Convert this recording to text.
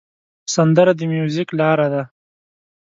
سندره د میوزیک لاره ده